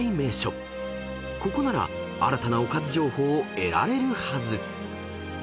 ［ここなら新たなおかず情報を得られるはず］